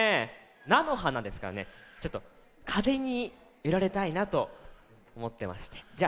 なのはなですからねちょっとかぜにゆられたいなとおもってましてじゃ